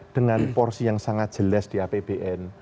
dengan porsi yang sangat jelas di apbn